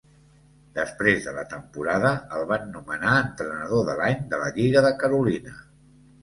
Després de la temporada, el van nomenar Entrenador de l'Any de la Lliga de Carolina.